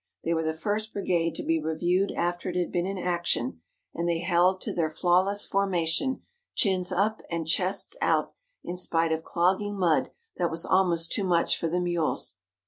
They were the first brigade to be reviewed after it had been in action, and they held to their flawless formation, chins up and chests out, in spite of clogging mud that was almost too much for the mules.